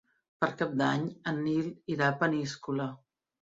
Per Cap d'Any en Nil irà a Peníscola.